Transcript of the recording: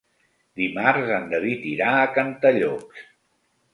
Dimarts en David irà a Cantallops.